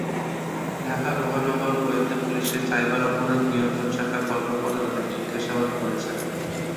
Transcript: ঢাকা মহানগর গোয়েন্দা পুলিশের সাইবার অপরাধ নিয়ন্ত্রণ শাখার কর্মকর্তারা তাঁদের জিজ্ঞাসাবাদ করছেন।